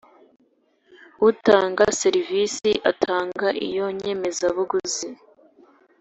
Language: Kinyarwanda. utanga serivisi atanga Iyo nyemezabuguzi